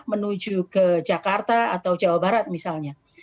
menuju ke jakarta atau jawa barat misalnya